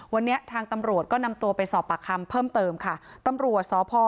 วันนี้ทางตำรวจก็นำตัวไปสอบปากคำเพิ่มเติมค่ะตำรวจสพ